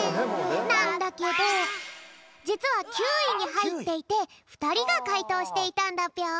なんだけどじつは９いにはいっていてふたりがかいとうしていたんだぴょん。